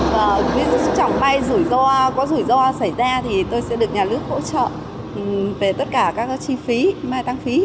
và nếu có rủi ro xảy ra thì tôi sẽ được nhà nước hỗ trợ về tất cả các chi phí mai tăng phí